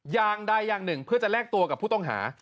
อย่างใดอย่างหนึ่งเพื่อจะแลกตัวกับผู้ต้องหา